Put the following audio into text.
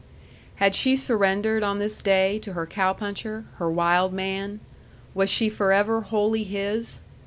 Had she surrendered on this day to her cow puncher, her wild man? Was she forever wholly his?